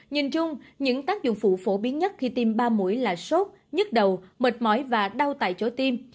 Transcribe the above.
nhìn chung những tác dụng phụ phổ biến nhất khi tiêm ba mũi là sốt nhức đầu mệt mỏi và đau tại chỗ tim